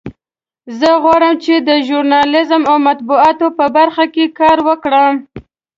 زه غواړم چې د ژورنالیزم او مطبوعاتو په برخه کې کار وکړم